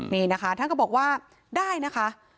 นี่นะคะท่านก็บอกว่าได้นะคะ